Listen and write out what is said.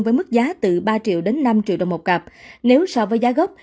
với mức giá từ ba triệu đến năm triệu đồng một cặp nếu so với giá gốc